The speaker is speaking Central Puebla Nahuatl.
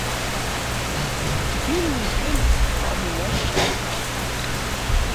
Xikilui ken onimochi.